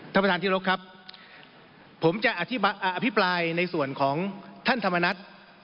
ท่านประธานที่รบครับผมจะอภิปรายในส่วนของท่านธรรมนัฐ